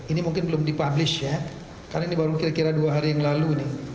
ini mungkin belum dipublish ya karena ini baru kira kira dua hari yang lalu nih